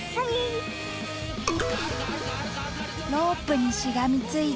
ロープにしがみついて。